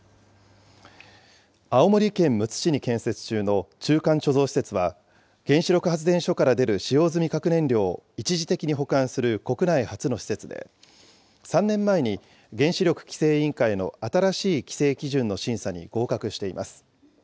青森県むつ市に建設中の中間貯蔵施設は、原子力発電所から出る使用済み核燃料を一時的に保管する国内初の施設で、３年前に、原子力規制委員会の新しい規制基準の審査に合格しています。